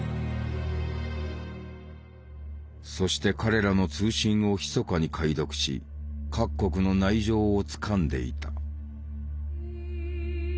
そして彼らの通信をひそかに解読し各国の内情をつかんでいた。